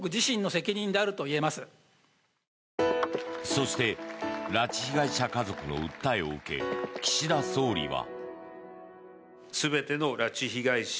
そして、拉致被害者家族の訴えを受け、岸田総理は。